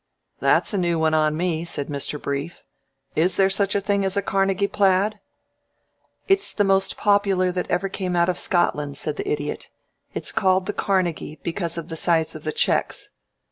"That's a new one on me," said Mr. Brief. "Is there such a thing as a Carnegie plaid?" "It's the most popular that ever came out of Scotland," said the Idiot. "It's called the Carnegie because of the size of the checks.